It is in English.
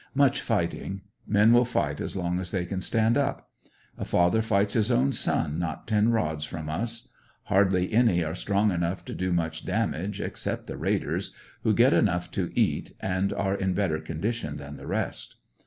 Much fighting. Men will fight as long as they can stand up. A father fights his own son not ten rods from us. Hardly any are strong enough to do much damage except the raiders, who get enough to eat and are in better condition than the rest.